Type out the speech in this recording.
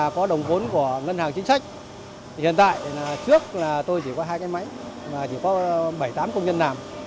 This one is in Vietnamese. có đồng vốn của ngân hàng chính sách thì hiện tại trước là tôi chỉ có hai cái máy mà chỉ có bảy mươi tám công nhân làm